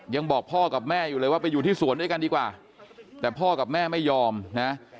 ยังบอกพ่อกับแม่อยู่เลยว่าไปอยู่ที่สวนด้วยกันดีกว่าแต่พ่อกับแม่ไม่ยอมนะ